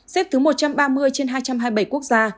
xếp thứ một trăm ba mươi trên hai trăm hai mươi bảy quốc gia